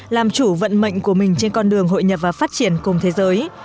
làm chủ vận mệnh của mình trên con đường hội nhập và phát triển cùng thế giới